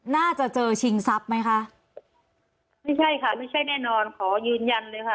น่าจะเจอชิงทรัพย์ไหมคะไม่ใช่ค่ะไม่ใช่แน่นอนขอยืนยันเลยค่ะ